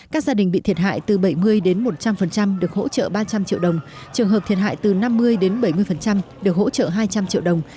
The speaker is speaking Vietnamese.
các gia đình bị thiệt hại từ bảy mươi đến một trăm linh được hỗ trợ ba trăm linh triệu đồng trường hợp thiệt hại từ năm mươi đến bảy mươi được hỗ trợ hai trăm linh triệu đồng